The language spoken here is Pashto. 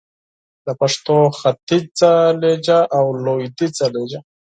د پښتو ختیځه لهجه او لويديځه لهجه